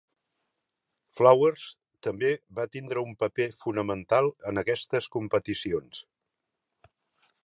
Flowers també va tindre un paper fonamental en aquestes competicions.